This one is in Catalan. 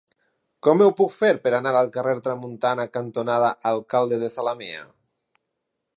Com ho puc fer per anar al carrer Tramuntana cantonada Alcalde de Zalamea?